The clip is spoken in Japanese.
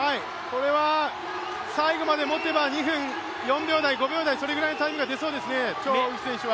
これは最後まで持てば、２分３秒台、４秒台、それくらいのタイムが出そうですね、張雨霏選手は。